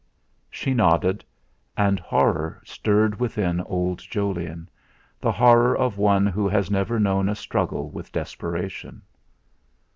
She nodded, and horror stirred within old Jolyon, the horror of one who has never known a struggle with desperation.